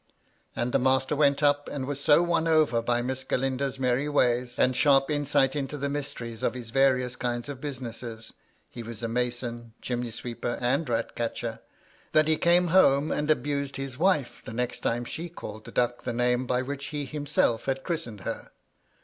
And the master went up, and was so won over by Miss Galindo's merry ways, and sharp insight into the mysteries of his various kinds of business (he was a mason, chimney sweeper, and ratcatcher), that he came home and abused his wife the next time she called the duck the name by which he himself had christened her.